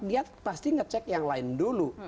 dia pasti ngecek yang lain dulu